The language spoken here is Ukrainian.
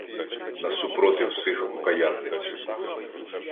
Насупротив сих окаянниць